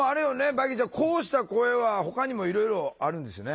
ヴァギーちゃんこうした声はほかにもいろいろあるんですよね？